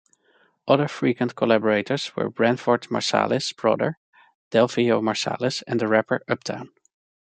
Other frequent collaborators were Branford Marsalis' brother, Delfeayo Marsalis, and the rapper, Uptown.